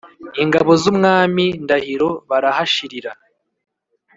ingabo z’ umwami ndahiro barahashirira